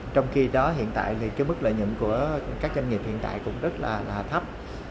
trong khi đó hiện tại thì cái mức lợi nhuận của các doanh nghiệp hiện tại cũng rất là thấp